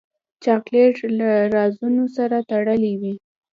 چاکلېټ له رازونو سره تړلی وي.